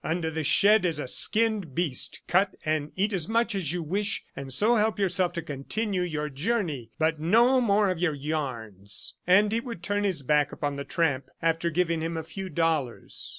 "Under the shed is a skinned beast; cut and eat as much as you wish and so help yourself to continue your journey. ... But no more of your yarns!" And he would turn his back upon the tramp, after giving him a few dollars.